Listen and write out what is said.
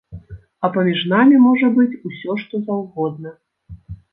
А паміж намі можа быць усё што заўгодна.